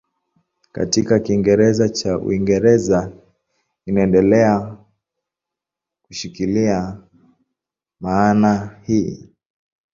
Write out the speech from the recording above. Katika Kiingereza cha Uingereza inaendelea kushikilia maana hii.